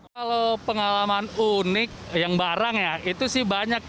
kalau pengalaman unik yang barang ya itu sih banyak